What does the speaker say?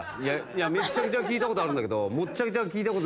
「めっちゃくちゃ」は聞いたことあるんだけど。